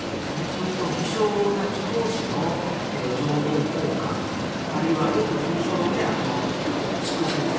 それと、秘書たち同士の情報交換あるいはよく事務所につく先生